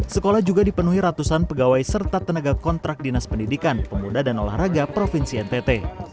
sekolah juga dipenuhi ratusan pegawai serta tenaga kontrak dinas pendidikan pemuda dan olahraga provinsi ntt